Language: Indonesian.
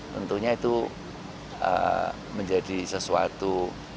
tentunya itu menjadi sesuatu